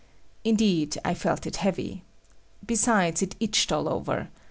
Indeed, I felt it heavy. Besides, it itched all over.